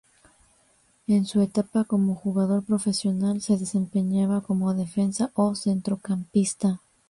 En su etapa como jugador profesional se desempeñaba como defensa o centrocampista.